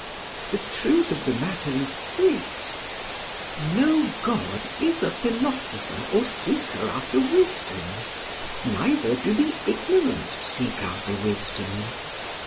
The truth of the matter is this: No god is a philosopher or seeker after wisdom, neither do the ignorant seek after wisdom.